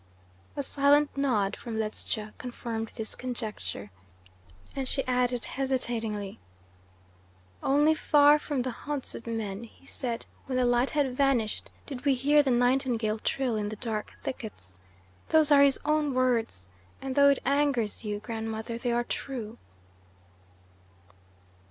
A silent nod from Ledscha confirmed this conjecture, and she added hesitatingly: "'Only far from the haunts of men,' he said, 'when the light had vanished, did we hear the nightingale trill in the dark thickets. Those are his own words, and though it angers you, Grandmother, they are true."